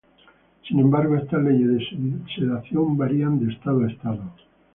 Sin embargo, estas leyes de sedación varían de Estado a estado.